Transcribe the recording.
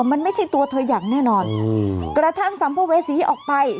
มันไม่ใช่ตัวเธออย่างแน่นอนกระทั่งสัมภเวษีออกไป